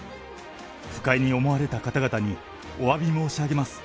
不快に思われた方々におわび申し上げます。